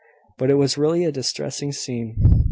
But it was really a distressing scene."